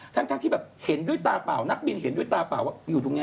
ทั้งที่แบบเห็นด้วยตาเปล่านักบินเห็นด้วยตาเปล่าว่าอยู่ตรงนี้